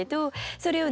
それをね